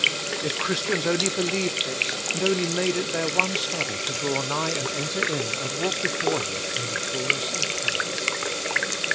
If Christians only believed this, and only made it their one study to draw nigh and enter in, and walk before Him in the fulness of faith.